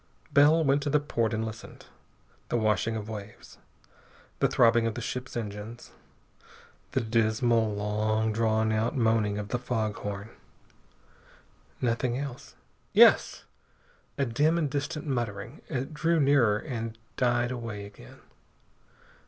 Bell went to the port and listened. The washing of waves. The throbbing of the ship's engines. The dismal, long drawn out moaning of the fog horn. Nothing else.... Yes! A dim and distant muttering. It drew nearer and died away again.